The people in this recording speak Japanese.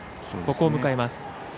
ここを迎えます。